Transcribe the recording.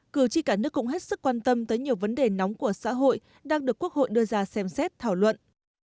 cử tri cả nước cũng hết sức quan tâm tới nhiều vấn đề nóng của xã hội đang được quốc hội đưa ra xem xét thảo luận